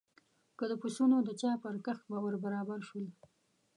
که د پسونو د چا پر کښت ور برابر شول.